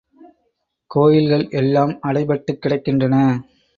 கோயில்கள் எல்லாம் அடைபட்டுக் கிடக்கின்றன.